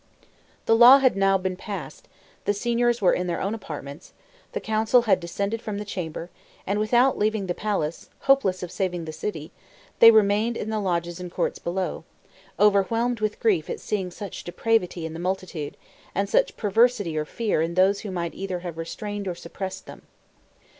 The law had now been passed; the Signors were in their own apartments; the Council had descended from the chamber, and without leaving the palace, hopeless of saving the city, they remained in the lodges and courts below, overwhelmed with grief at seeing such depravity in the multitude, and such perversity or fear in those who might either have restrained or suppressed them.